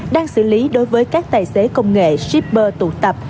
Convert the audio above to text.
đang xử lý đối với các tài xế công nghệ shipper tụ tập